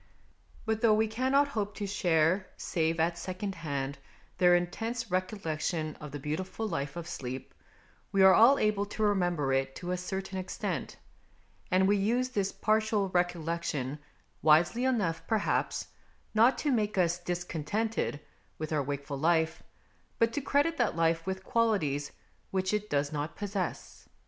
But, though we cannot hope to share, save at secondhand, their intense recollection of the beautiful life of sleep, we are all able to remember it to a certain extent ; and we use this partial recollection, wisely enough perhaps, not to make us discontented with our wakeful life, but to credit that life with qualities which it does not possess.